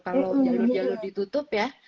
kalau jalur jalur ditutup ya